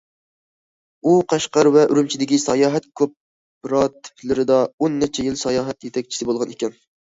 ئۇ قەشقەر ۋە ئۈرۈمچىدىكى ساياھەت كوپىراتىپلىرىدا ئون نەچچە يىل ساياھەت يېتەكچىسى بولغان ئىكەن.